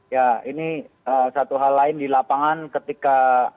ya ini satu hal lain di lapangan ketika